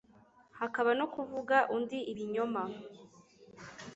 hakaba no kuvuga undi ibinyoma